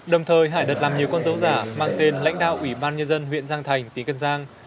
đồng thời hải đặt làm nhiều con dấu giả mang tên lãnh đạo ủy ban nhân dân huyện giang thành tỉnh kiên giang